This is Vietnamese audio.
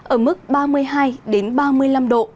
ở mức ba mươi hai ba mươi năm độ